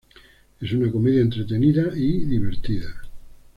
Es una comedia entretenida y divertida.